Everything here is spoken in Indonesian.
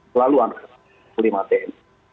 selalu angkat panglima tentara nasional